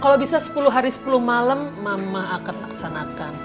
kalau bisa sepuluh hari sepuluh malam mama akan laksanakan